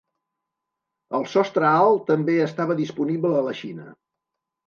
El sostre alt també estava disponible a la Xina.